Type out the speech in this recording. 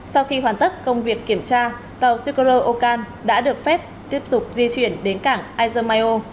sau khi hoàn tất công việc kiểm tra tàu sikoro okan đã được phép tiếp tục di chuyển đến cảng izermaio